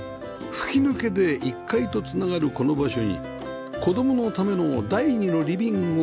吹き抜けで１階と繋がるこの場所に子供のための第２のリビングを置きました